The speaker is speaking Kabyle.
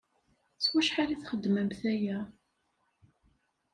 S wacḥal i txeddmemt aya?